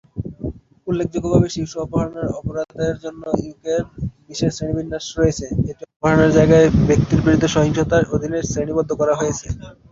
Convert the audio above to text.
উল্লেখযোগ্যভাবে, শিশু অপহরণের অপরাধের জন্য ইউকে-র বিশেষ শ্রেণীবিন্যাস রয়েছে, এটি অপহরণের জায়গায় ব্যক্তির বিরুদ্ধে সহিংসতার অধীনে শ্রেণীবদ্ধ করা হয়েছে।